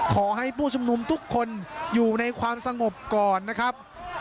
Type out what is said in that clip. ขอให้ผู้ชุมนุมทุกคนอยู่ในความสงบก่อนนะครับ